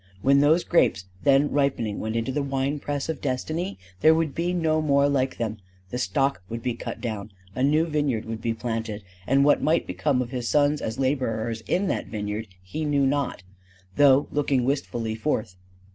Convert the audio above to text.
When those grapes then ripening went into the winepress of destiny, there would be no more like them: the stock would be cut down, a new vineyard would have to be planted; and what might become of his sons as laborers in that vineyard he knew not, though looking wistfully forth.